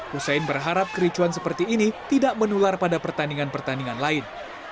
hussein berharap kericuan seperti ini tidak menular pada pertandingan pertandingan lain